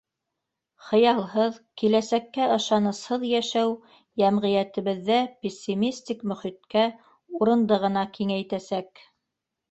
Хыялһыҙ, киләсәккә ышанысһыҙ йәшәү йәмғиәтебеҙҙә пессимистик мөхиткә урынды ғына киңәйтәсәк.